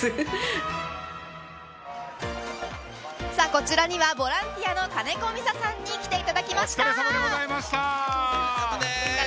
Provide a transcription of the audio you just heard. こちらにはボランティアの金子美善さんにお疲れさまでございました。